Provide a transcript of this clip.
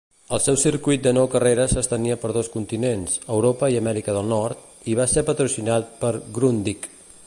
El seu circuit de nou carreres s'estenia per dos continents (Europa i Amèrica del Nord) i va ser patrocinat per Grundig.